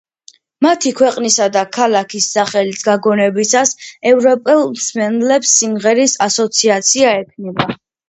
მათი ქვეყნისა და ქალაქის სახელის გაგონებისას, ევროპელ მსმენელს სიმღერის ასოციაცია ექნება.